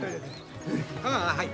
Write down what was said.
ああはい。